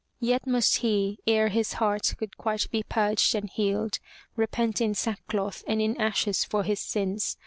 Yet must he, ere his heart could quite be purged and healed, repent in sackcloth and in ashes for his sins.